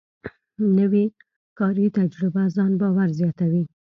نوې کاري تجربه ځان باور زیاتوي